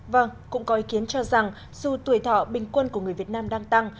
vâng cũng có ý kiến cho rằng dù tuổi thọ bình quân của người việt nam đang tăng